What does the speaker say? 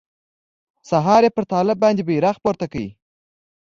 سهار يې پر طالب باندې بيرغ پورته کړ.